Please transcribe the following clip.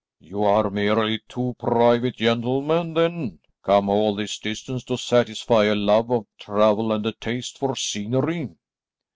"You are merely two private gentlemen, then, come all this distance to satisfy a love of travel and a taste for scenery?"